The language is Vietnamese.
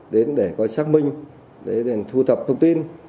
đến để coi xác minh để thu thập thông tin